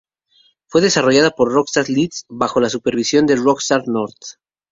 Fue desarrollada por Rockstar Leeds, bajo la supervisión de Rockstar North.